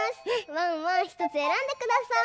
ワンワンひとつえらんでください。